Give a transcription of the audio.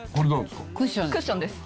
クッションです。